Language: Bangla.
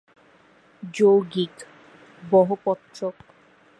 যৌগিক, বহপত্রক।